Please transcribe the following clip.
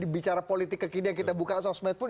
bicara politik kekini yang kita buka sosmed pun